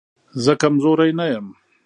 زه کمزوری نه يم